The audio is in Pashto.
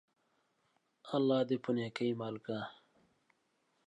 الله دي په نيکۍ مل که!